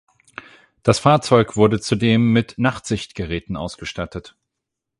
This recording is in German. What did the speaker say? Das Fahrzeug wurde zudem mit Nachtsichtgeräten ausgestattet.